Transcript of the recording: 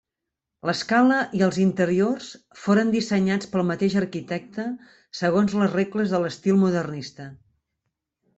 L'escala i els interiors foren dissenyats pel mateix arquitecte segons les regles de l'estil modernista.